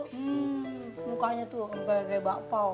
hmm mukanya tuh empat gaya bakpao